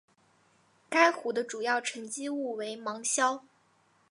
该湖的主要沉积物为芒硝。